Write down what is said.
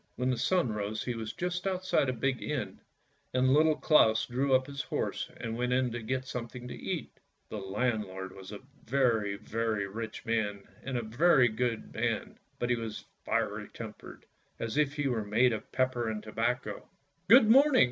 When the sun rose he was just outside a big inn, and Little Claus drew up his horse and went in to get something to eat. The landlord was a very, very rich man, and a very good 152 ANDERSEN'S FAIRY TALES man, but he was fiery tempered, as if he were made of pepper and tobacco. "Good morning!"